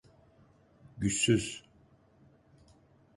Güçsüz.